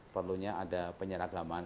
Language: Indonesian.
perlunya ada penyeragaman